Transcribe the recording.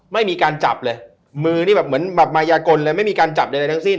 ไม่มีการจับเลยมือนี่แบบเหมือนแบบมายากลเลยไม่มีการจับใดทั้งสิ้น